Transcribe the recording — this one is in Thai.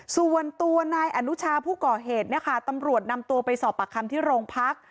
ส่วนตัวนายอนุชาผู้ก่อเหตุเนี่ยค่ะตำรวจนำตัวไปสอบปากคำที่โรงพัก